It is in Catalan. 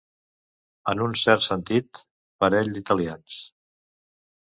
En un cert sentit, parell d'italians.